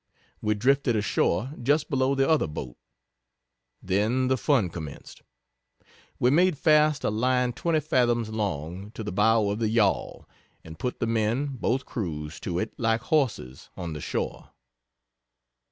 We drifted ashore just below the other boat. Then the fun commenced. We made fast a line 20 fathoms long, to the bow of the yawl, and put the men (both crews) to it like horses, on the shore.